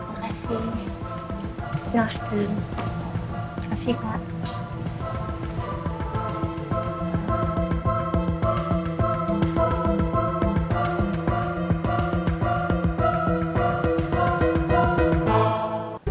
makasih silahkan kasih pak